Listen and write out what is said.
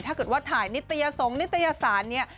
ถ้าเกิดว่าถ่ายนิตยสงฆ์นิตยสารเนี่ย